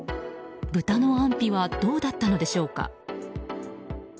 豚の安否はどうだったのでしょうか。